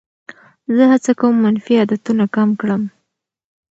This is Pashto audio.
زه هڅه کوم منفي عادتونه کم کړم.